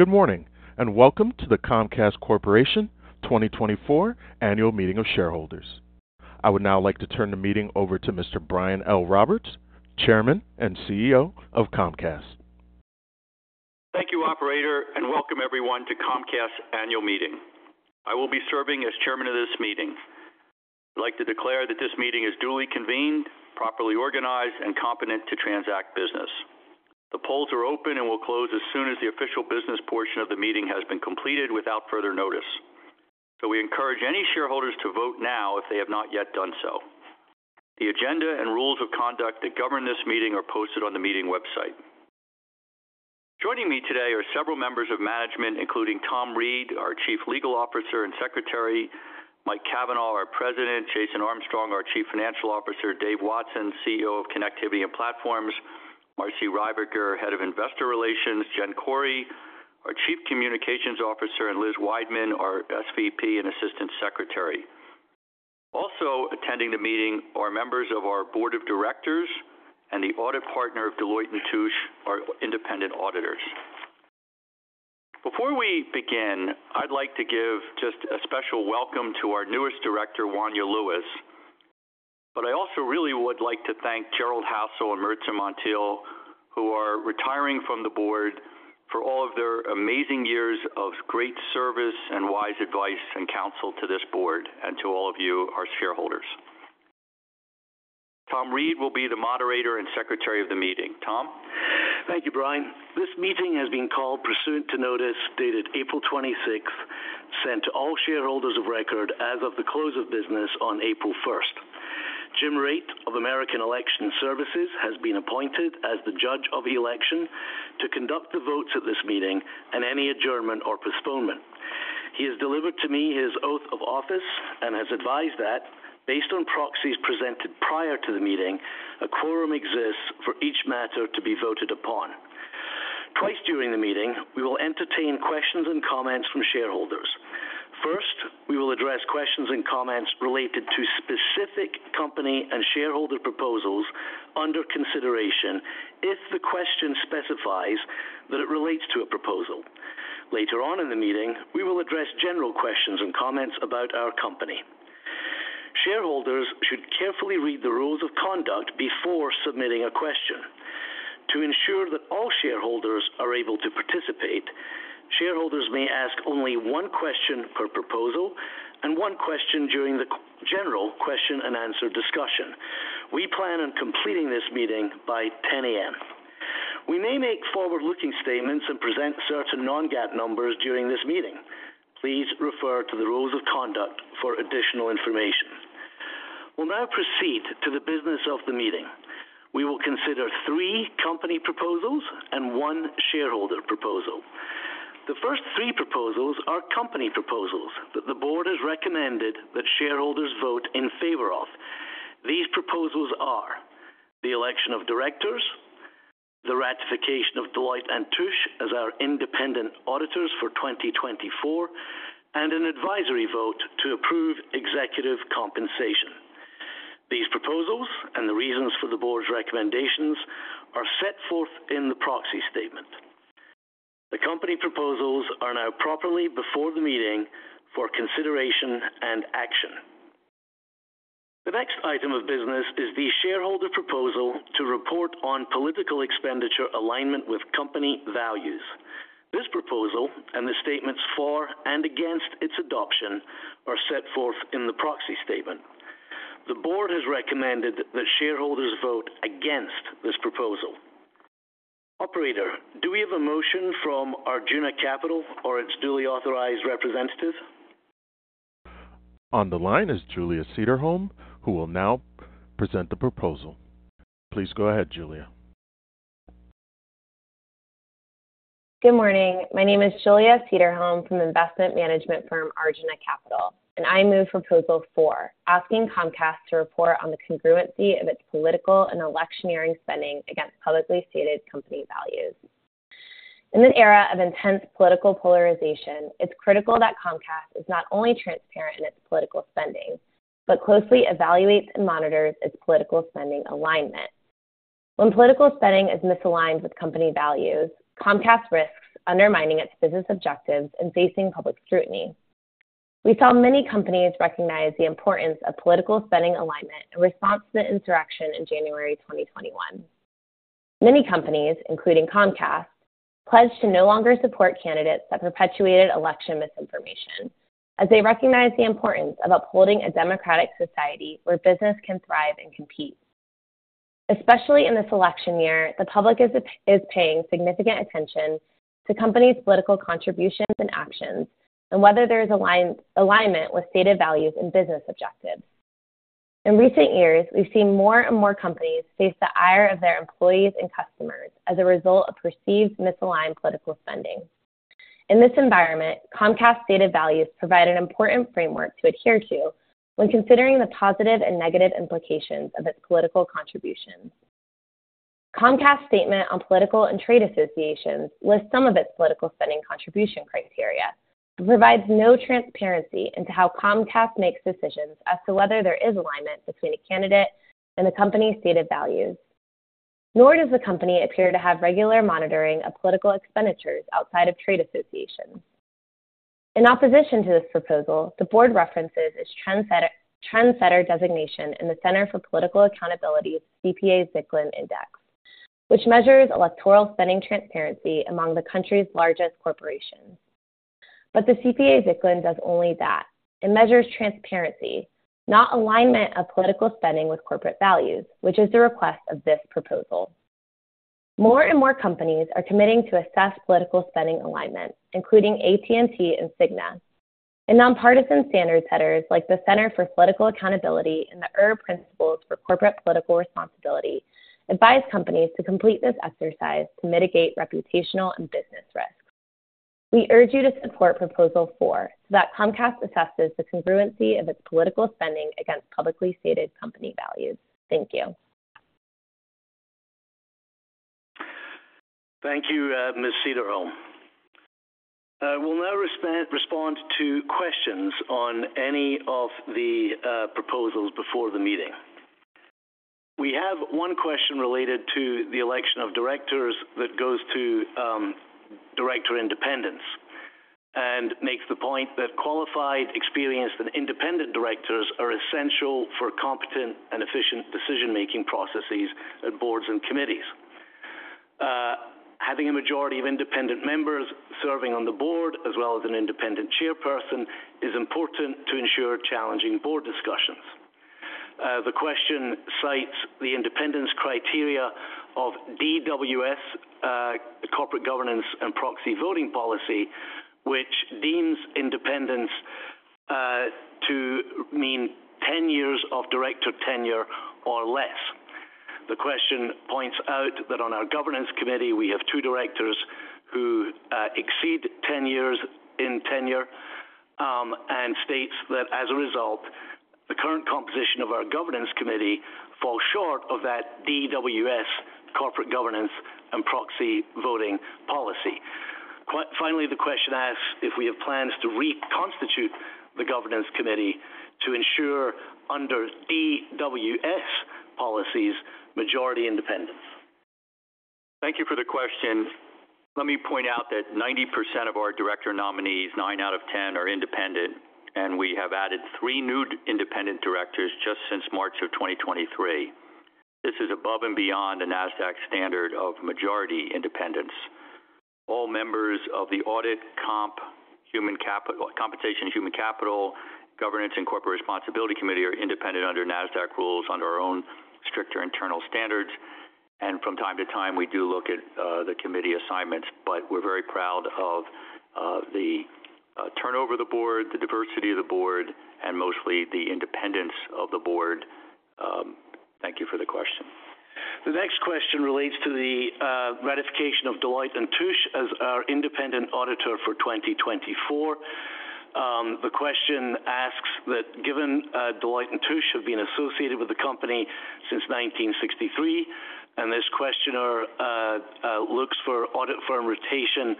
Good morning, and welcome to the Comcast Corporation 2024 Annual Meeting of Shareholders. I would now like to turn the meeting over to Mr. Brian L. Roberts, Chairman and CEO of Comcast. Thank you, Operator, and welcome everyone to Comcast's Annual Meeting. I will be serving as Chairman of this meeting. I'd like to declare that this meeting is duly convened, properly organized, and competent to transact business. The polls are open and will close as soon as the official business portion of the meeting has been completed without further notice. We encourage any shareholders to vote now if they have not yet done so. The agenda and rules of conduct that govern this meeting are posted on the meeting website. Joining me today are several members of management, including Tom Reid, our Chief Legal Officer and Secretary, Mike Cavanagh, our President, Jason Armstrong, our Chief Financial Officer, Dave Watson, CEO of Connectivity and Platforms, Marci Ryvicker, Head of Investor Relations, Jen Khoury, our Chief Communications Officer, and Liz Wideman, our SVP and Assistant Secretary. Also attending the meeting are members of our Board of Directors and the audit partner of Deloitte & Touche, our independent auditors. Before we begin, I'd like to give just a special welcome to our newest director, Wonya Lucas. But I also really would like to thank Gerald Hassell and Maritza Montiel, who are retiring from the board, for all of their amazing years of great service and wise advice and counsel to this board and to all of you, our shareholders. Tom Reid will be the Moderator and Secretary of the meeting. Tom? Thank you, Brian. This meeting has been called pursuant to notice dated April 26th, sent to all shareholders of record as of the close of business on April 1st. Jim Raitt of American Election Services has been appointed as the Judge of the Election to conduct the votes at this meeting and any adjournment or postponement. He has delivered to me his oath of office and has advised that, based on proxies presented prior to the meeting, a quorum exists for each matter to be voted upon. Twice during the meeting, we will entertain questions and comments from shareholders. First, we will address questions and comments related to specific company and shareholder proposals under consideration if the question specifies that it relates to a proposal. Later on in the meeting, we will address general questions and comments about our company. Shareholders should carefully read the rules of conduct before submitting a question. To ensure that all shareholders are able to participate, shareholders may ask only one question per proposal and one question during the general question-and-answer discussion. We plan on completing this meeting by 10:00 A.M. We may make forward-looking statements and present certain non-GAAP numbers during this meeting. Please refer to the rules of conduct for additional information. We'll now proceed to the business of the meeting. We will consider three company proposals and one shareholder proposal. The first three proposals are company proposals that the board has recommended that shareholders vote in favor of. These proposals and the reasons for the board's recommendations are set forth in the proxy statement. The company proposals are now properly before the meeting for consideration and action. The next item of business is the shareholder proposal to report on political expenditure alignment with company values. This proposal and the statements for and against its adoption are set forth in the proxy statement. The board has recommended that shareholders vote against this proposal. Operator, do we have a motion from Arjuna Capital or its duly authorized representative? On the line is Julia Cederholm, who will now present the proposal. Please go ahead, Julia. Good morning. My name is Julia Cederholm from investment management firm Arjuna Capital, and I move proposal four, asking Comcast to report on the congruency of its political and electioneering spending against publicly stated company values. In an era of intense political polarization, it's critical that Comcast is not only transparent in its political spending, but closely evaluates and monitors its political spending alignment. When political spending is misaligned with company values, Comcast risks undermining its business objectives and facing public scrutiny. We saw many companies recognize the importance of political spending alignment in response to the insurrection in January 2021. Many companies, including Comcast, pledged to no longer support candidates that perpetuated election misinformation, as they recognize the importance of upholding a democratic society where business can thrive and compete. Especially in this election year, the public is paying significant attention to companies' political contributions and actions, and whether there is alignment with stated values and business objectives. In recent years, we've seen more and more companies face the ire of their employees and customers as a result of perceived misaligned political spending. In this environment, Comcast's stated values provide an important framework to adhere to when considering the positive and negative implications of its political contributions. Comcast's statement on political and trade associations lists some of its political spending contribution criteria but provides no transparency into how Comcast makes decisions as to whether there is alignment between a candidate and the company's stated values. Nor does the company appear to have regular monitoring of political expenditures outside of trade associations. In opposition to this proposal, the board references its trendsetter designation in the Center for Political Accountability's CPA-Zicklin Index, which measures electoral spending transparency among the country's largest corporations. But the CPA-Zicklin does only that. It measures transparency, not alignment of political spending with corporate values, which is the request of this proposal. More and more companies are committing to assess political spending alignment, including AT&T and Cigna. And nonpartisan standard setters like the Center for Political Accountability and the Erb Principles for Corporate Political Responsibility advise companies to complete this exercise to mitigate reputational and business risks. We urge you to support proposal four so that Comcast assesses the congruency of its political spending against publicly stated company values. Thank you. Thank you, Ms. Cederholm. We'll now respond to questions on any of the proposals before the meeting. We have one question related to the election of directors that goes to director independence and makes the point that qualified, experienced, and independent directors are essential for competent and efficient decision-making processes at boards and committees. Having a majority of independent members serving on the board, as well as an independent chairperson, is important to ensure challenging board discussions. The question cites the independence criteria of DWS, Corporate Governance and Proxy Voting Policy, which deems independence to mean 10 years of director tenure or less. The question points out that on our governance committee, we have two directors who exceed 10 years in tenure and states that, as a result, the current composition of our governance committee falls short of that DWS, Corporate Governance and Proxy Voting Policy. Finally, the question asks if we have plans to reconstitute the governance committee to ensure, under DWS policies, majority independence. Thank you for the question. Let me point out that 90% of our director nominees, nine out of 10, are independent, and we have added three new independent directors just since March of 2023. This is above and beyond the NASDAQ standard of majority independence. All members of the audit, comp, compensation, human capital, governance, and corporate responsibility committee are independent under NASDAQ rules under our own stricter internal standards. From time to time, we do look at the committee assignments, but we're very proud of the turnover of the board, the diversity of the board, and mostly the independence of the board. Thank you for the question. The next question relates to the ratification of Deloitte & Touche as our independent auditor for 2024. The question asks that, given Deloitte & Touche have been associated with the company since 1963, and this questioner looks for audit firm rotation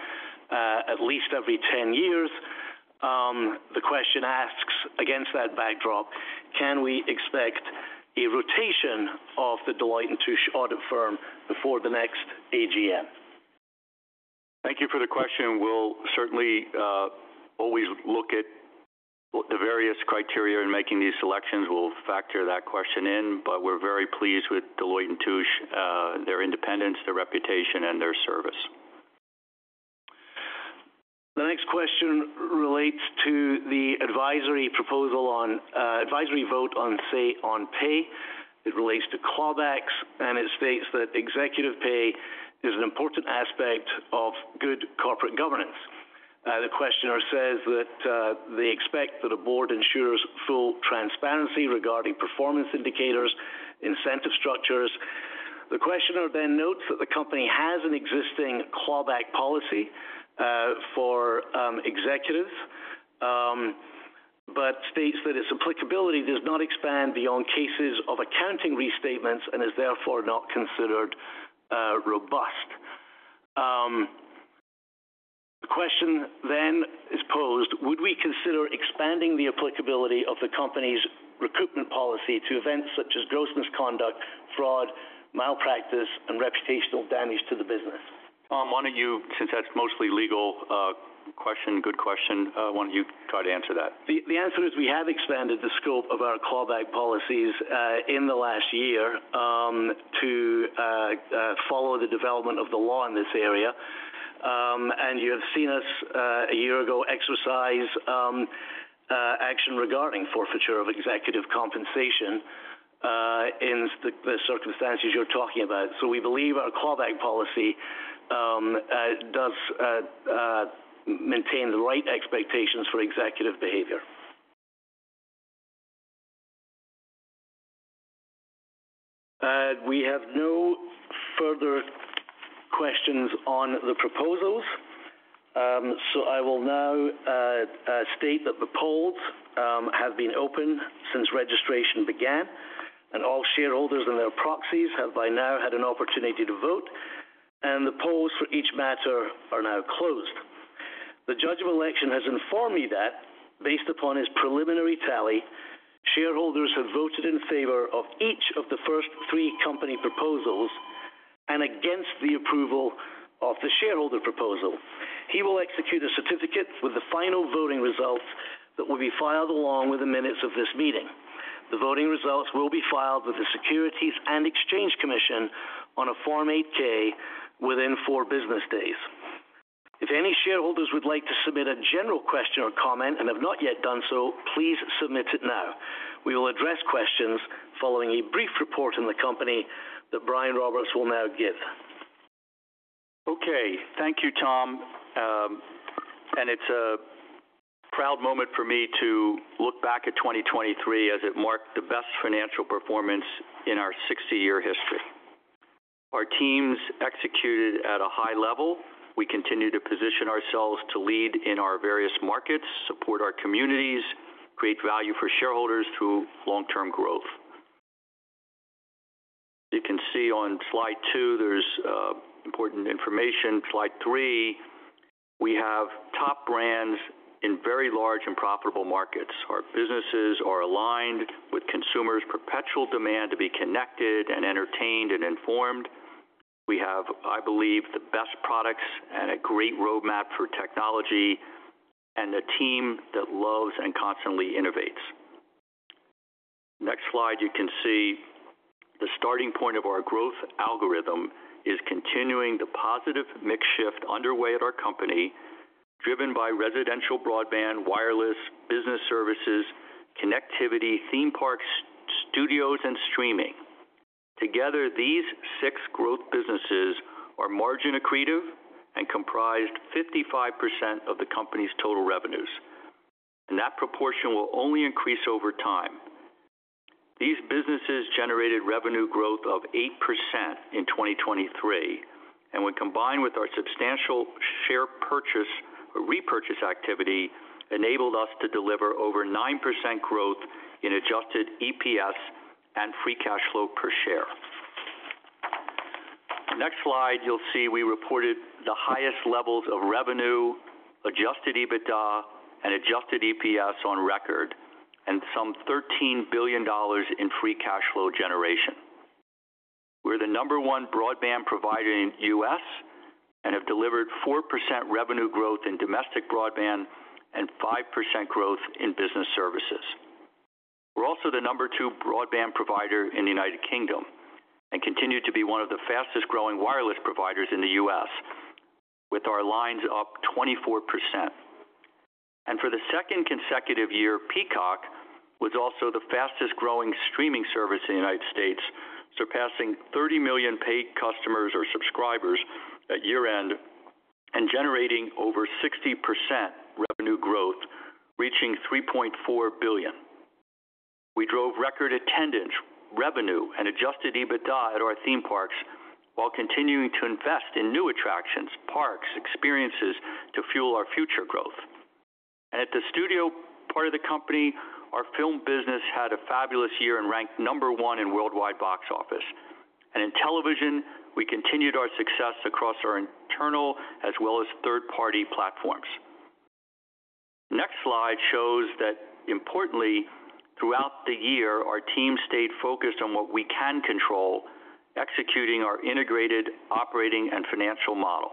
at least every 10 years, the question asks, against that backdrop, can we expect a rotation of the Deloitte & Touche audit firm before the next AGM? Thank you for the question. We'll certainly always look at the various criteria in making these selections. We'll factor that question in, but we're very pleased with Deloitte & Touche, their independence, their reputation, and their service. The next question relates to the advisory vote on pay. It relates to clawbacks, and it states that executive pay is an important aspect of good corporate governance. The questioner says that they expect that a board ensures full transparency regarding performance indicators and incentive structures. The questioner then notes that the company has an existing clawback policy for executives, but states that its applicability does not expand beyond cases of accounting restatements and is therefore not considered robust. The question then is posed: would we consider expanding the applicability of the company's recoupment policy to events such as gross misconduct, fraud, malpractice, and reputational damage to the business? Tom, why don't you, since that's mostly legal question, good question, why don't you try to answer that? The answer is we have expanded the scope of our clawback policies in the last year to follow the development of the law in this area. You have seen us a year ago exercise action regarding forfeiture of executive compensation in the circumstances you're talking about. We believe our clawback policy does maintain the right expectations for executive behavior. We have no further questions on the proposals. I will now state that the polls have been open since registration began, and all shareholders and their proxies have by now had an opportunity to vote, and the polls for each matter are now closed. The judge of election has informed me that, based upon his preliminary tally, shareholders have voted in favor of each of the first three company proposals and against the approval of the shareholder proposal. He will execute a certificate with the final voting results that will be filed along with the minutes of this meeting. The voting results will be filed with the Securities and Exchange Commission on a Form 8-K within four business days. If any shareholders would like to submit a general question or comment and have not yet done so, please submit it now. We will address questions following a brief report in the company that Brian Roberts will now give. Okay. Thank you, Tom. It's a proud moment for me to look back at 2023 as it marked the best financial performance in our 60-year history. Our teams executed at a high level. We continue to position ourselves to lead in our various markets, support our communities, create value for shareholders through long-term growth. As you can see on slide 2, there's important information. Slide 3, we have top brands in very large and profitable markets. Our businesses are aligned with consumers' perpetual demand to be connected and entertained and informed. We have, I believe, the best products and a great roadmap for technology and a team that loves and constantly innovates. Next slide, you can see the starting point of our growth algorithm is continuing the positive mix shift underway at our company, driven by residential broadband, wireless, business services, connectivity, theme parks, studios, and streaming. Together, these six growth businesses are margin accretive and comprised 55% of the company's total revenues. That proportion will only increase over time. These businesses generated revenue growth of 8% in 2023. When combined with our substantial share purchase or repurchase activity, it enabled us to deliver over 9% growth in adjusted EPS and free cash flow per share. Next slide, you'll see we reported the highest levels of revenue, adjusted EBITDA, and adjusted EPS on record, and some $13 billion in free cash flow generation. We're the number one broadband provider in the U.S. and have delivered 4% revenue growth in domestic broadband and 5% growth in business services. We're also the number two broadband provider in the United Kingdom and continue to be one of the fastest-growing wireless providers in the U.S., with our lines up 24%. For the second consecutive year, Peacock was also the fastest-growing streaming service in the United States, surpassing 30 million paid customers or subscribers at year-end and generating over 60% revenue growth, reaching $3.4 billion. We drove record attendance, revenue, and Adjusted EBITDA at our theme parks while continuing to invest in new attractions, parks, and experiences to fuel our future growth. At the studio part of the company, our film business had a fabulous year and ranked number one in worldwide box office. In television, we continued our success across our internal as well as third-party platforms. Next slide shows that, importantly, throughout the year, our team stayed focused on what we can control, executing our integrated operating and financial model,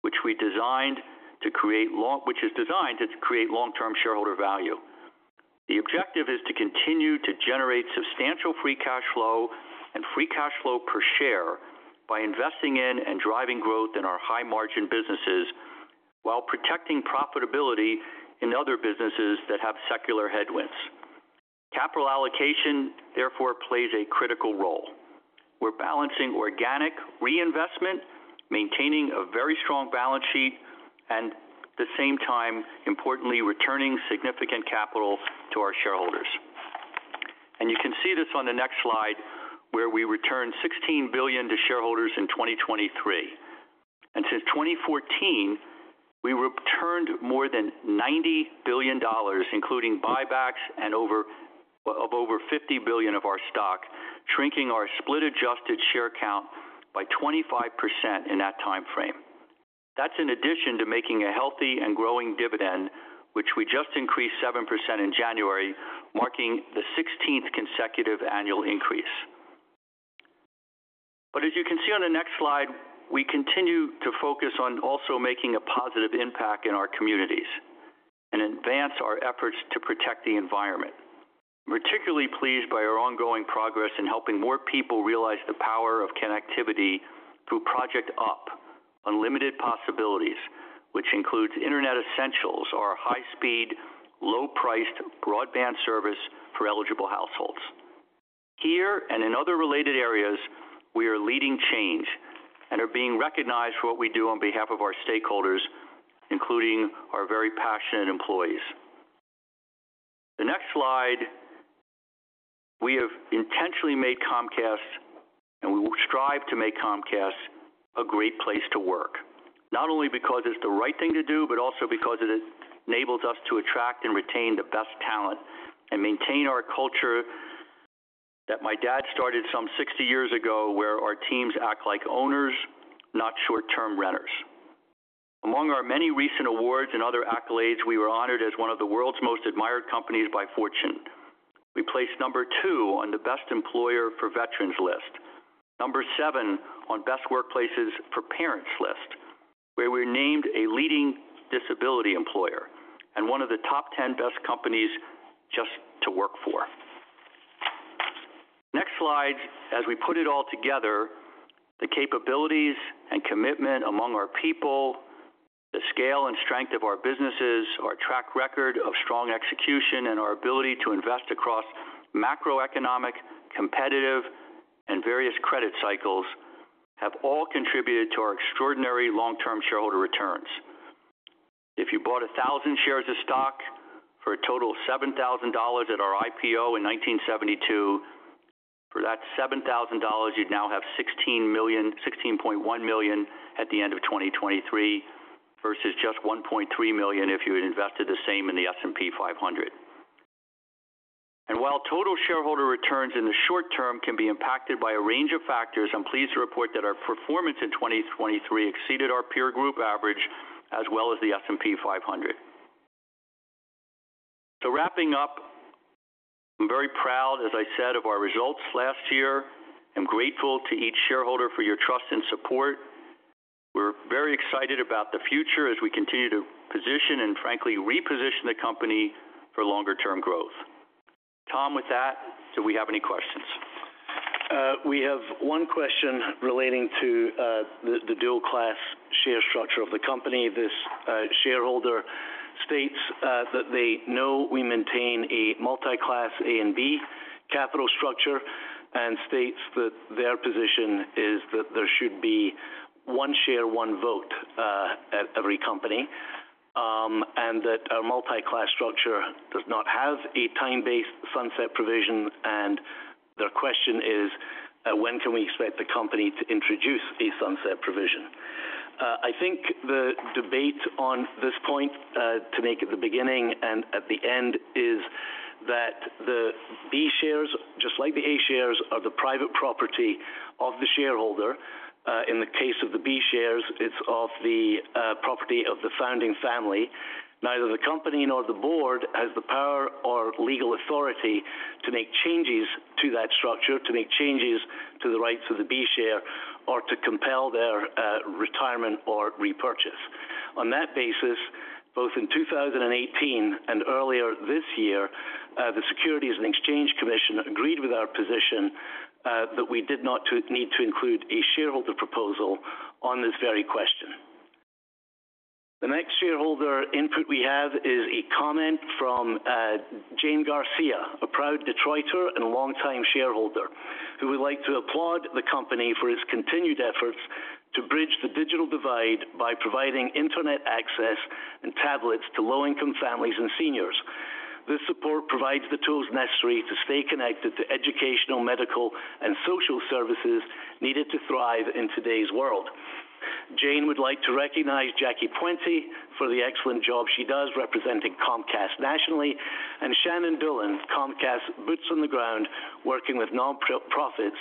which is designed to create long-term shareholder value. The objective is to continue to generate substantial Free Cash Flow and Free Cash Flow per share by investing in and driving growth in our high-margin businesses while protecting profitability in other businesses that have secular headwinds. Capital allocation, therefore, plays a critical role. We're balancing organic reinvestment, maintaining a very strong balance sheet, and at the same time, importantly, returning significant capital to our shareholders. You can see this on the next slide where we returned $16 billion to shareholders in 2023. Since 2014, we returned more than $90 billion, including buybacks and of over $50 billion of our stock, shrinking our split-adjusted share count by 25% in that timeframe. That's in addition to making a healthy and growing dividend, which we just increased 7% in January, marking the 16th consecutive annual increase. As you can see on the next slide, we continue to focus on also making a positive impact in our communities and advance our efforts to protect the environment. I'm particularly pleased by our ongoing progress in helping more people realize the power of connectivity through Project UP: Unlimited Possibilities, which includes Internet Essentials, our high-speed, low-priced broadband service for eligible households. Here and in other related areas, we are leading change and are being recognized for what we do on behalf of our stakeholders, including our very passionate employees. The next slide, we have intentionally made Comcast, and we will strive to make Comcast a great place to work, not only because it's the right thing to do, but also because it enables us to attract and retain the best talent and maintain our culture that my dad started some 60 years ago, where our teams act like owners, not short-term renters. Among our many recent awards and other accolades, we were honored as one of the world's most admired companies by Fortune. We placed number 2 on the Best Employer for Veterans list, number 7 on Best Workplaces for Parents list, where we're named a leading disability employer and one of the top 10 best companies just to work for. Next slide, as we put it all together, the capabilities and commitment among our people, the scale and strength of our businesses, our track record of strong execution, and our ability to invest across macroeconomic, competitive, and various credit cycles have all contributed to our extraordinary long-term shareholder returns. If you bought 1,000 shares of stock for a total of $7,000 at our IPO in 1972, for that $7,000, you'd now have $16.1 million at the end of 2023 versus just $1.3 million if you had invested the same in the S&P 500. And while total shareholder returns in the short term can be impacted by a range of factors, I'm pleased to report that our performance in 2023 exceeded our peer group average as well as the S&P 500. So wrapping up, I'm very proud, as I said, of our results last year. I'm grateful to each shareholder for your trust and support. We're very excited about the future as we continue to position and, frankly, reposition the company for longer-term growth. Tom, with that, do we have any questions? We have one question relating to the dual-class share structure of the company. This shareholder states that they know we maintain a multi-class A and B capital structure and states that their position is that there should be one share, one vote at every company and that our multi-class structure does not have a time-based sunset provision. Their question is, when can we expect the company to introduce a sunset provision? I think the debate on this point, to make it the beginning and at the end, is that the B shares, just like the A shares, are the private property of the shareholder. In the case of the B shares, it's of the property of the founding family. Neither the company nor the board has the power or legal authority to make changes to that structure, to make changes to the rights of the B share, or to compel their retirement or repurchase. On that basis, both in 2018 and earlier this year, the Securities and Exchange Commission agreed with our position that we did not need to include a shareholder proposal on this very question. The next shareholder input we have is a comment from Jane Garcia, a proud Detroiter and longtime shareholder, who would like to applaud the company for its continued efforts to bridge the digital divide by providing internet access and tablets to low-income families and seniors. This support provides the tools necessary to stay connected to educational, medical, and social services needed to thrive in today's world. Jane would like to recognize Jackie Puente for the excellent job she does representing Comcast nationally and Shannon Dillin, Comcast's boots on the ground, working with nonprofits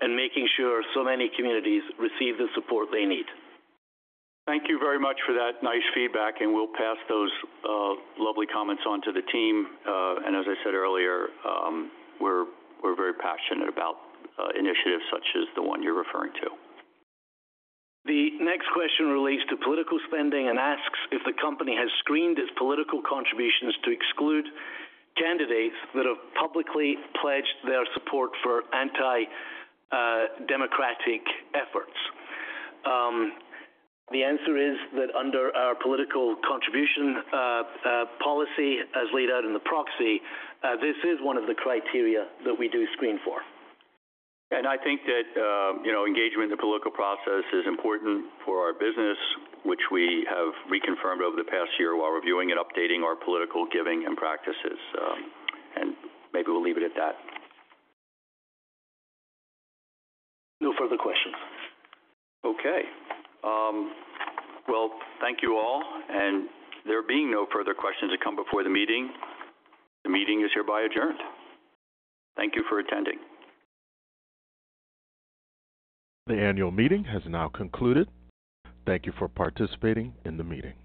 and making sure so many communities receive the support they need. Thank you very much for that nice feedback, and we'll pass those lovely comments on to the team. As I said earlier, we're very passionate about initiatives such as the one you're referring to. The next question relates to political spending and asks if the company has screened its political contributions to exclude candidates that have publicly pledged their support for anti-democratic efforts. The answer is that under our political contribution policy, as laid out in the proxy, this is one of the criteria that we do screen for. I think that engagement in the political process is important for our business, which we have reconfirmed over the past year while reviewing and updating our political giving and practices. Maybe we'll leave it at that. No further questions. Okay. Well, thank you all. There being no further questions to come before the meeting, the meeting is hereby adjourned. Thank you for attending. The annual meeting has now concluded. Thank you for participating in the meeting.